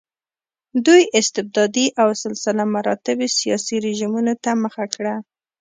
دوی استبدادي او سلسله مراتبي سیاسي رژیمونو ته مخه کړه.